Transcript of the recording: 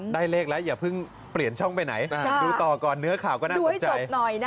ได้เลขแล้วอย่าเพิ่งเปลี่ยนช่องไปไหนดูต่อก่อนเนื้อข่าวก็น่าสนใจ